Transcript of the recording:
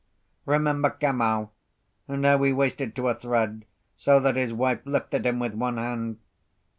Remember Kamau, and how he wasted to a thread, so that his wife lifted him with one hand.